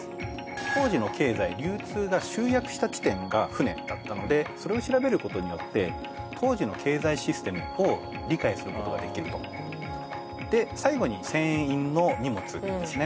当時の経済流通が集約した地点が船だったのでそれを調べることによって当時の経済システムを理解することができるとで最後に船員の荷物ですね